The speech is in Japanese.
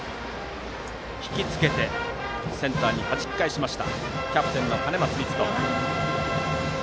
引きつけてセンターにはじき返したキャプテンの兼松実杜。